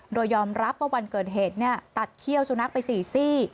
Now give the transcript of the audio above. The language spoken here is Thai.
โดยยอมรับว่าวันเกิดเหตุตัดเขี้ยวสุนัขไป๔ซี่